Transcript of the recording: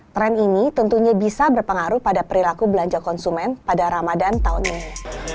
tren ini tentunya bisa berpengaruh pada perilaku belanja konsumen pada ramadan tahun ini